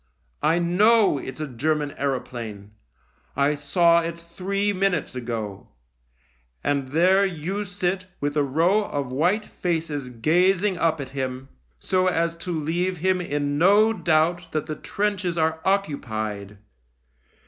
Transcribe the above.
I know it's a German aeroplane — I saw it three minutes ago — and there you sit with a row of white faces gazing up at him, so as to leave him in no doubt that the trenches are occupied.